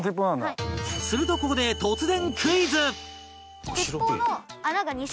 するとここで突然クイズ！